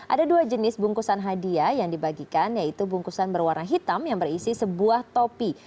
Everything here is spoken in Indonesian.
ada dua jenis bungkusan hadiah yang dibagikan yaitu bungkusan berwarna hitam yang berisi sebuah topi